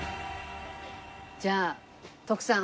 じゃあ徳さん